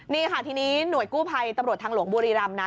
นี่ค่ะทีนี้หน่วยกู้ภัยตำรวจทางหลวงบุรีรำนะ